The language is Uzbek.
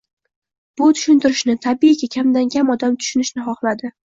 Bu tushuntirishni, tabiiyki, kamdan-kam odam tushunishni xohladi.